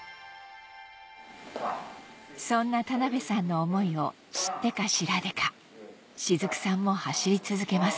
そんな田辺さんの思いを知ってか知らでか雫さんも走り続けます